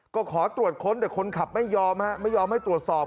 ก็ขอตรวจค้นแต่คนขับไม่ยอมฮะไม่ยอมไม่ยอมให้ตรวจสอบ